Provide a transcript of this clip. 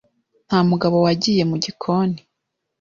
Nta mugabo wagiye mu gikoni,